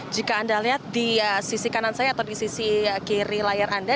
jika anda lihat di sisi kanan saya atau di sisi kiri layar anda